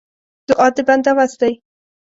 دعا د بنده وس دی.